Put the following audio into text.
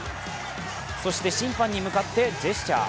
そして審判に向かってジェスチャー。